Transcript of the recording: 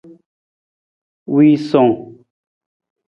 Wiisung.